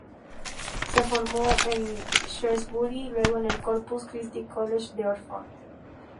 Se formó en Shrewsbury, y luego en el Corpus Christi College de Oxford.